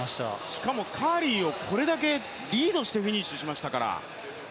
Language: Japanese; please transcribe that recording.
しかもカーリーをこれだけリードしてフィニッシュしましたから。